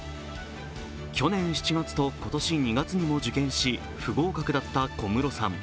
去年７月と今年２月にも受験し不合格だった小室さん。